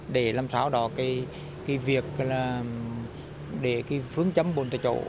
để làm sao đó cái việc là để cái phương châm bốn tại chỗ